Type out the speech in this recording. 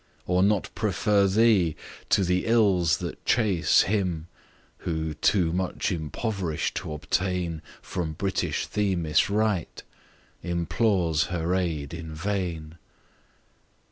Or not prefer thee to the ills that chase Him, who too much impoverish'd to obtain From British Themis right , implores her aid in vain!